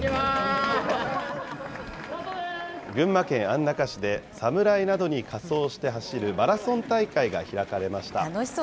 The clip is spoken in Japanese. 群馬県安中市で、侍などに仮装して走るマラソン大会が開かれました。